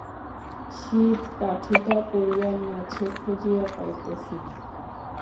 সিঁধকাঠিটা পড়িয়া গিয়াছে খুঁজিয়া পাইতেছি না।